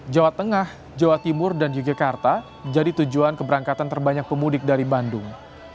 jawa tengah jawa timur dan yogyakarta jadi tujuan keberangkatan terbanyak pemudik dari bandung